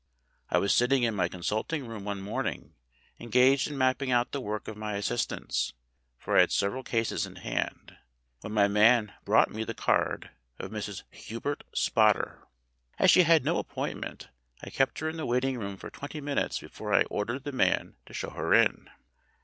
I was sitting in my consulting room one morning engaged in mapping out the work of my assistants for I had several cases in hand when my man brought me the card of Mrs. Hubert Spotter. As she had no appointment I kept her in the waiting room for twenty minutes before I ordered the man to show her in.